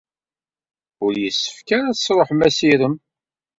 Ur yessefk ara ad tesṛuḥem assirem.